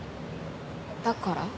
だから？